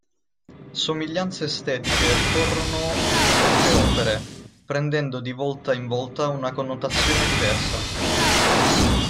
Somiglianze estetiche ricorrono nelle tre opere, prendendo di volta in volta una connotazione diversa.